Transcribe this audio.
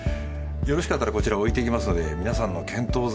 よろしかったらこちら置いていきますので皆さんの検討